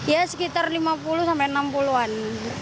ya sekitar lima puluh sampai enam puluh an